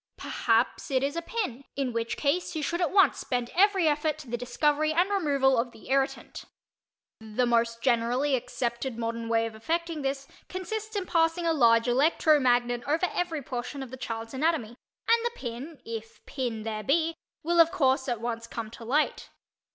Perhaps it is a pin, in which case you should at once bend every effort to the discovery and removal of the irritant. The most generally accepted modern way of effecting this consists in passing a large electro magnet over every portion of the child's anatomy and the pin (if pin there be) will of course at once come to light.